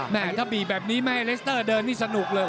แม่ถ้าบีบแบบนี้ไม่ให้เลสเตอร์เดินนี่สนุกเลย